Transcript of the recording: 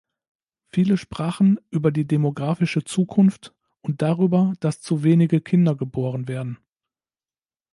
Viele sprachen über die demographische Zukunft und darüber, dass zu wenige Kinder geboren werden.